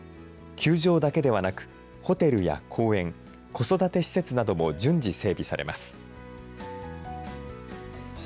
球場だけではなく、ホテルや公園、子育て施設なども順次整備されます。